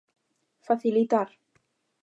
Facilitar.